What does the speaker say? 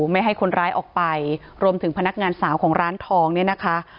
ไม่ให้คนร้ายออกไปรวมถึงพนักงานสาวของร้านทองเนี่ยนะคะ